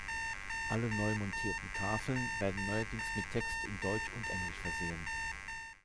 Alle neu montierten Tafeln werden neuerdings mit Text in Deutsch und Englisch versehen.